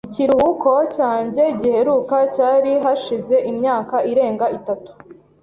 Ikiruhuko cyanjye giheruka cyari hashize imyaka irenga itatu .